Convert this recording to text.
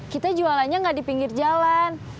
kita jualannya nggak di pinggir jalan